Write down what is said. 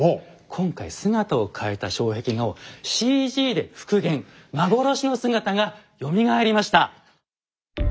今回姿を変えた障壁画をＣＧで復元幻の姿がよみがえりました！